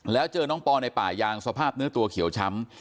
แล้วเจอน้องปอในป่ายางสภาพเนื้อตัวเขียวช้ำ